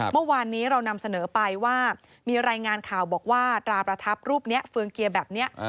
เมื่อวานนี้เรานำเสนอไปว่ามีรายงานข่าวบอกว่าตราประทับรูปนี้เฟืองเกียร์แบบนี้